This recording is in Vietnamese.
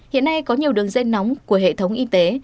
hiện nay có nhiều đường dây nóng của hệ thống y tế